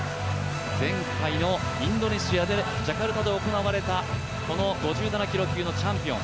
前回のインドネシア・ジャカルタで行われた５７キロ級のチャンピオン。